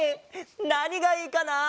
なにがいいかな？